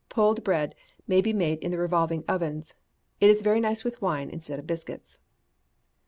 Pulled bread may be made in the revolving ovens. It is very nice with wine instead of biscuits.